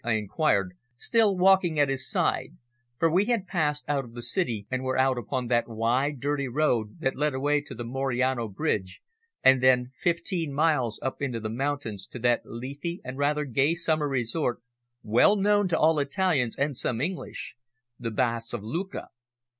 I inquired, still walking at his side, for we had passed out of the city and were out upon that wide, dirty road that led away to the Moriano Bridge and then fifteen miles up into the mountains to that leafy and rather gay summer resort well known to all Italians and some English, the Baths of Lucca.